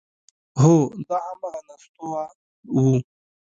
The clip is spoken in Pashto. هو، دا همغه نستوه و…